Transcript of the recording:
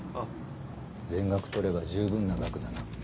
全額取れば十分な額だな。